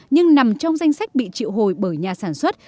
nhưng nằm trong danh sách bị triệu hồi bởi nhà sản xuất